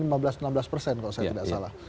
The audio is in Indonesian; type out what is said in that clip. kalau saya tidak salah